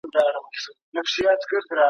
د کوټې په ګوټ ګوټ کې د چوپتیا واکمني وه.